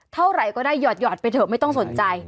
เท่าไหร่ก็ได้หยอดไปเถอะไม่ต้องสนใจ